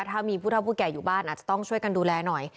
ถ้ามีผู้เท่าผู้แก่อยู่บ้านอาจจะต้องช่วยกันดูแลหน่อย